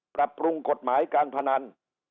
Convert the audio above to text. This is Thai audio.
ปรับปรุงกฎหมายการพนัน